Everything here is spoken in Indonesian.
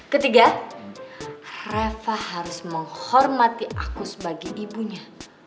ketiga rafa harus menghormati aku sebagai ibunya